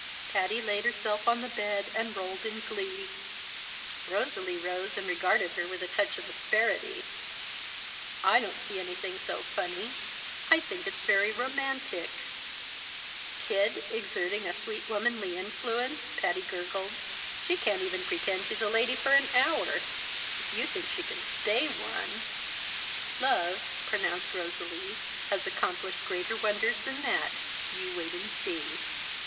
Patty laid herself on the bed and rolled in glee. Rosalie rose and regarded her with a touch of asperity. "I don't see anything so funny I think it's very romantic." "Kid exerting a sweet womanly influence!" Patty gurgled. "She can't even pretend she's a lady for an hour. If you think she can stay one " "Love," pronounced Rosalie, "has accomplished greater wonders than that you wait and see."